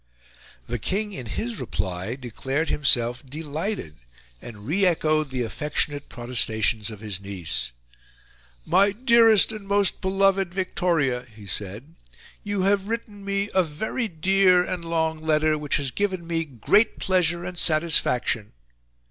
The King in his reply declared himself delighted, and re echoed the affectionate protestations of his niece. "My dearest and most beloved Victoria," he said, "you have written me a VERY DEAR and long letter, which has given me GREAT PLEASURE AND SATISFACTION."